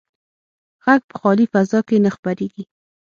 غږ په خالي فضا کې نه خپرېږي.